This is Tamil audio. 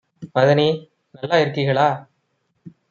மதனி நல்லா இருக்கீகளா?